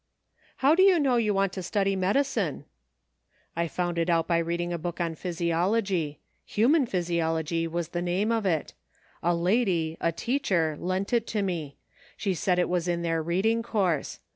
" How do you know you want to study medi cine }"" I found it out by reading a book on physiology, * Human Physiology ' was the name of it ; a lady, a teacher, lent it to me ; she said it was in their reading course.